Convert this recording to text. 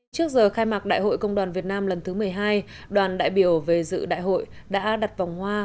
trước giờ khai mạc đại hội công đoàn việt nam lần thứ một mươi hai đoàn đại biểu về dự đại hội đã đặt vòng hoa